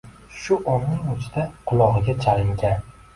Shu onning oʻzida qulogʻiga chalingan.